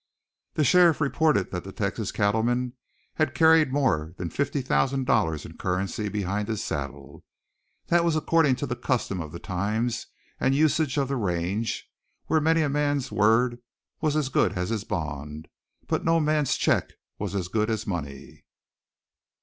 The sheriff reported that the Texas cattleman had carried more than fifty thousand dollars in currency behind his saddle. That was according to the custom of the times, and usage of the range, where many a man's word was as good as his bond, but no man's check was as good as money.